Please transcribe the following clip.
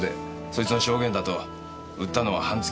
そいつの証言だと売ったのは半月ほど前。